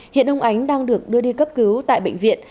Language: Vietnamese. hiện ông ánh đang được đưa đi cấp cứu tại bệnh viện